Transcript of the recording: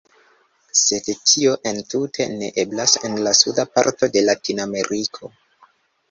Sed tio entute ne eblas en la suda parto de Latin-Ameriko.